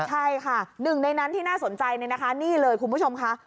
ใช่ค่ะหนึ่งในนั้นที่น่าสนใจนี่เลยคุณผู้ชมค่ะ